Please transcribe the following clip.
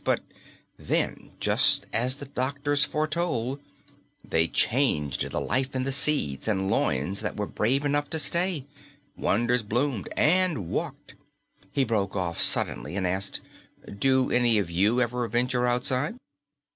But then, just as the doctors foretold, they changed the life in the seeds and loins that were brave enough to stay. Wonders bloomed and walked." He broke off suddenly and asked, "Do any of you ever venture outside?"